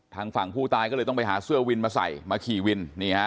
ทางฝั่งผู้ตายก็เลยต้องไปหาเสื้อวินมาใส่มาขี่วิน